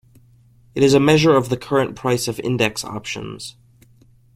It is a measure of the current price of index options.